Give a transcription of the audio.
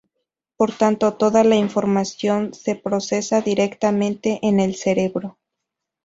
Por tanto, toda la información se procesa directamente en el cerebro.